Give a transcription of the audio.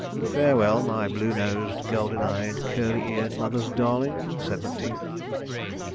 ..." "Farewell, my blue nosed, golden eyed, curly eared Mother's Darling," said Macteith.